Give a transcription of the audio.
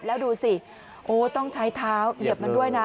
แล้วดูสิโอ้ต้องใช้เท้าเหยียบมันด้วยนะ